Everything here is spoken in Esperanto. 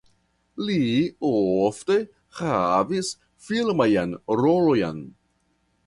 Li ofte havis filmajn rolojn.